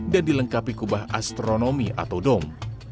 dan dilengkapi kubah astronomi atau dom